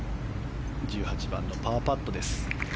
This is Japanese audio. １８番のパーパットです。